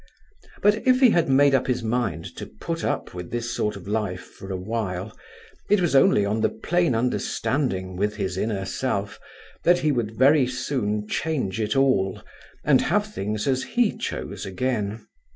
But if he had made up his mind to put up with this sort of life for a while, it was only on the plain understanding with his inner self that he would very soon change it all, and have things as he chose again.